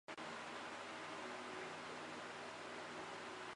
陈希豪早年毕业于北京中国大学政治经济科。